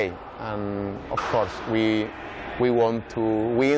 เขาเป็นท่านที่ดีในอเมเซีย